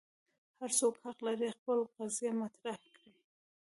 هر څوک حق لري خپل قضیه مطرح کړي.